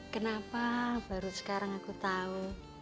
kenapa baru sekarang aku tahu